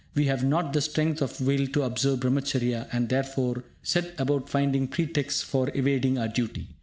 We have not the strength of will to observe Brahmacharya, and, therefore, set about finding pretexts for evading our duty.